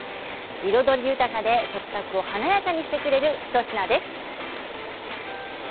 彩り豊かで食卓を華やかにしてくれる一品です。